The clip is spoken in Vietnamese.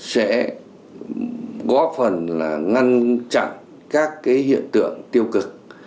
sẽ góp phần là ngăn chặn các hiện tượng tiêu cực